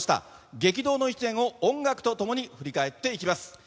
激動の１年を音楽と共に振り返っていきます。